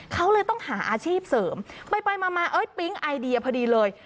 เขาเลยต้องหาอาชีพเสริมไปมาปิ๊งไอเดียพอดีเลย